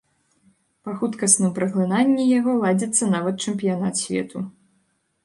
Па хуткасным паглынанні яго ладзіцца нават чэмпіянат свету.